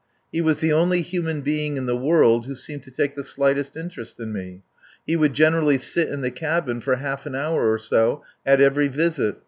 He was the only human being in the world who seemed to take the slightest interest in me. He would generally sit in the cabin for half an hour or so at every visit.